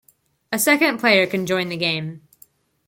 A second player can join the game.